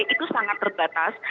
itu sangat terbatas